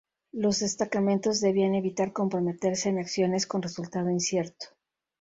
Los destacamentos debían evitar comprometerse en acciones con resultado incierto.